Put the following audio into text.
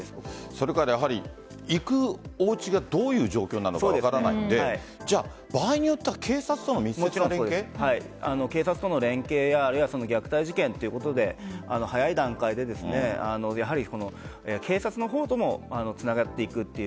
それから行くおうちがどういう状況なのか分からないので場合によっては警察との連携や虐待事件ということで早い段階で警察の方ともつながっていくという。